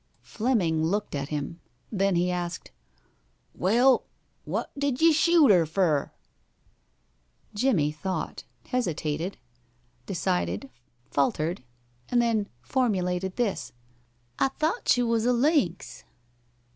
Fleming looked at him. Then he asked, "Well, what did you shoot 'er fer?" Jimmie thought, hesitated, decided, faltered, and then formulated this: "I thought she was a lynx."